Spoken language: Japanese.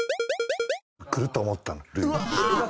くると思ったの。